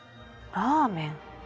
ラーメン。